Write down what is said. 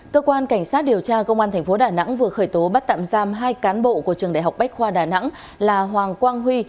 cơ quan cảnh sát điều tra công an tp đà nẵng vừa khởi tố bắt tạm giam hai cán bộ của trường đại học bách khoa đà nẵng là hoàng quang huy